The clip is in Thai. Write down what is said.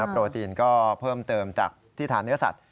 โปรตีนก็เพิ่มเติมจากที่ทานเนื้อสัตว